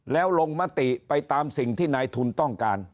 แล้วลงมติไปตามสิ่งที่นายทุนต้องการ